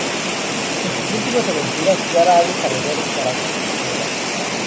En sus últimas aventuras, Clara ha desarrollado un carácter temerario.